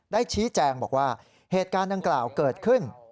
ได้ชี้แจงบอกว่าเหตุการณ์ดังกล่าวเกิดขึ้น